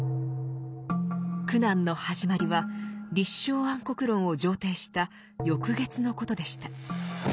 苦難の始まりは「立正安国論」を上呈した翌月のことでした。